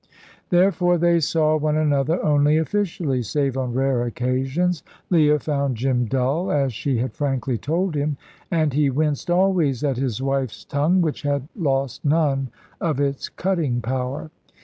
Therefore they saw one another only officially, save on rare occasions. Leah found Jim dull, as she had frankly told him, and he winced always at his wife's tongue, which had lost none of its cutting power.